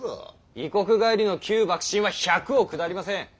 異国帰りの旧幕臣は百をくだりません。